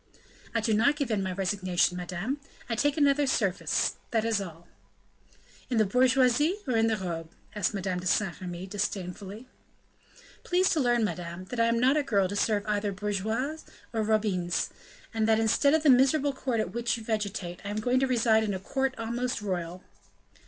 "I do not give in my resignation, madame; I take another service, that is all." "In the bourgeoisie or in the robe?" asked Madame de Saint Remy, disdainfully. "Please to learn, madame, that I am not a girl to serve either bourgeoises or robines; and that instead of the miserable court at which you vegetate, I am going to reside in a court almost royal."